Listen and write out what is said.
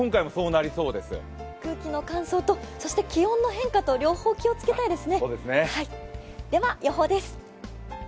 空気の乾燥と気温の変化と両方気を付けたいですね。